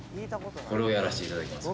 これをやらせていただきます。